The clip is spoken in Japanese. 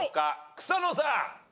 草野さん。